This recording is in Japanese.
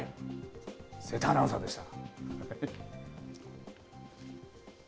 瀬田アナウンサーでした。